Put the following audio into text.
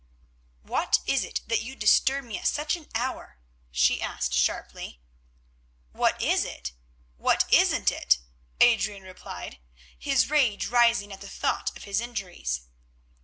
"What is it, that you disturb me at such an hour?" she asked sharply. "What is it? What isn't it?" Adrian replied, his rage rising at the thought of his injuries.